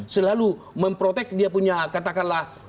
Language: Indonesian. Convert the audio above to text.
selalu memprotek dia punya katakanlah